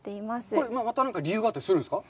これまた理由があったりするんですか？